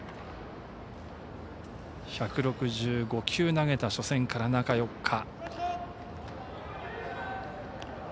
１６５球投げた初戦から中４日。